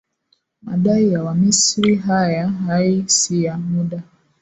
madai ya wamisri haya hai si ya muda